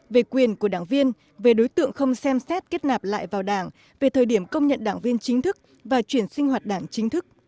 về quyền của đảng viên về đối tượng không xem xét kết nạp lại vào đảng về thời điểm công nhận đảng viên chính thức và chuyển sinh hoạt đảng chính thức